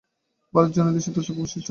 ভারতে জৈনদিগের দশ লক্ষ অবশিষ্ট আছে।